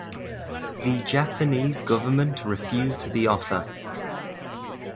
The Japanese government refused the offer.